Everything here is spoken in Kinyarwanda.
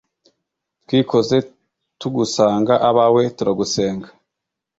twikoze tugusanga, abawe turagusenga